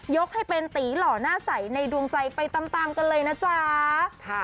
ยกให้เป็นตีหล่อหน้าใสในดวงใจไปตามกันเลยนะจ๊ะ